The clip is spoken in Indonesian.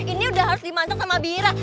ini udah harus dimasak sama bira